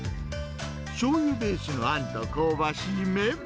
しょうゆベースのあんと香ばしい麺。